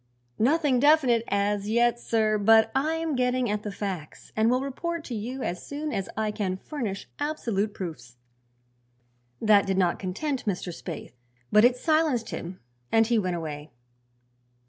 "Nothing definite as yet, sir; but I am getting at the facts and will report to you as soon as I can furnish absolute proofs." That did not content Mr. Spaythe, but it silenced him and he went away.